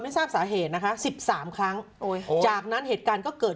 ทราบสาเหตุนะคะสิบสามครั้งจากนั้นเหตุการณ์ก็เกิด